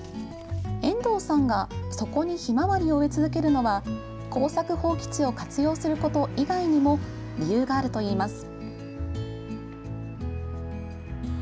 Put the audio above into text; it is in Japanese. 遠藤さんが、そこにひまわりを植え続けるのは耕作放棄地を活用すること以外にも理由があるといいます。